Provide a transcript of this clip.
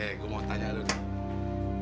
eh gue mau tanya lo nih